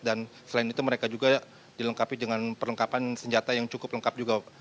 dan selain itu mereka juga dilengkapi dengan perlengkapan senjata yang cukup lengkap juga